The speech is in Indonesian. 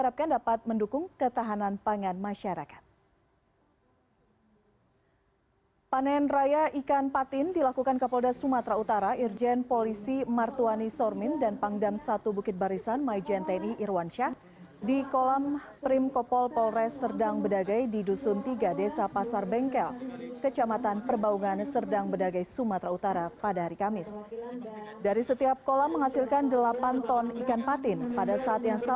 juga melakukan penaburan lima puluh ribu ekor bibit ikan patin